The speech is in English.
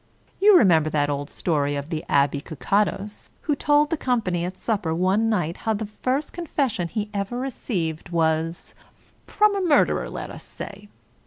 You remember that old story of the Abbe Kakatoes, who told the company at sup per one night how the first confession he ever received was — ^from a murderer, let us say.